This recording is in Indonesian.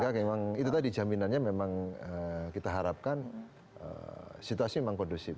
ya memang itu tadi jaminannya memang kita harapkan situasi memang kondusif